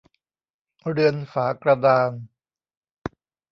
เรือนฝากระดาน